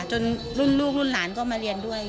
รุ่นลูกรุ่นหลานก็มาเรียนด้วย